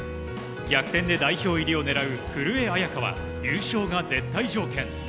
逆転で代表入りを狙う古江彩佳は優勝が絶対条件。